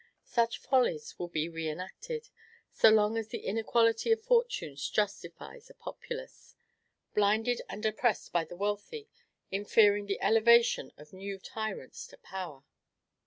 Such follies will be re enacted, so long as the inequality of fortunes justifies a populace, blinded and oppressed by the wealthy, in fearing the elevation of new tyrants to power.